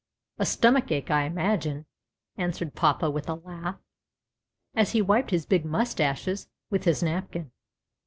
"A stomach ache, I imagine," answered papa with a laugh, as he wiped his big moustaches with his nap kin.